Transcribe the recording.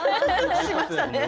しましたね。